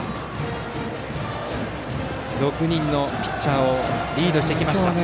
６人のピッチャーをリードしてきました、篠塚。